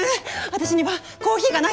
私にはコーヒーがないと。